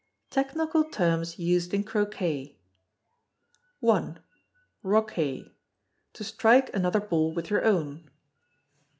Technical Terms Used in Croquet. i. Roquet. To strike another ball with your own.